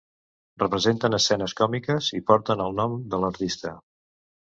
Representen escenes còmiques i porten el nom de l'artista.